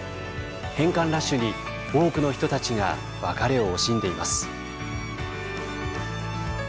返還ラッシュに、多くの人たちが別れを惜しんでいます。